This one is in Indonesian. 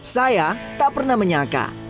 saya tak pernah menyangka